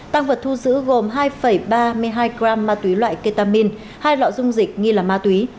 tăng vật thu giữ gồm hai ba mg ma túy loại ketamin hai lọ dung dịch nghi là ma túy